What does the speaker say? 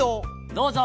どうぞ。